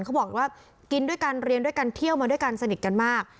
เขาบอกว่ากินด้วยกันเรียนด้วยกันเที่ยวมาด้วยกันสนิทกันมาก